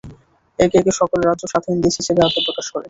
একে একে সকল রাজ্য স্বাধীন দেশ হিসেবে আত্মপ্রকাশ করে।